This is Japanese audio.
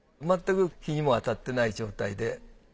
まったく日にも当たってない状態で。